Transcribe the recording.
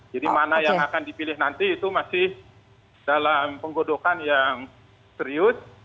jadi mana yang akan dipilih nanti itu masih dalam penggodokan yang serius